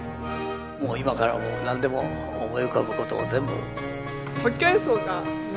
もう今から何でも思い浮かぶことを全部。